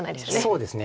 そうですね。